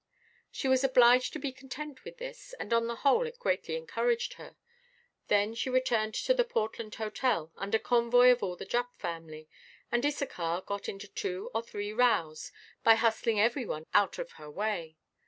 She was obliged to be content with this, and on the whole it greatly encouraged her. Then she returned to the Portland Hotel under convoy of all the Jupp family, and Issachar got into two or three rows by hustling every one out of her way.